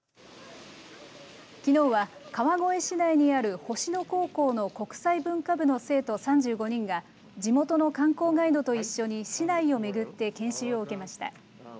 きのうは川越市内にある星野高校の国際文化部の生徒３５人が地元の観光ガイドと一緒に市内を巡って研修を受けました。